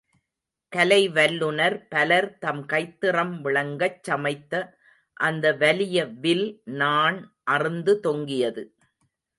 கலைவல்லுநர் பலர் தம் கைத்திறம் விளங்கச் சமைத்த அந்த வலிய வில், நாண் அறுந்து தொங்கியது.